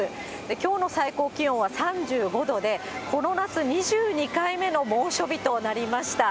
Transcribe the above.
きょうの最高気温は３５度で、この夏、２２回目の猛暑日となりました。